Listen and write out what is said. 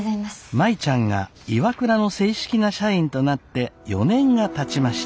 舞ちゃんがＩＷＡＫＵＲＡの正式な社員となって４年がたちました。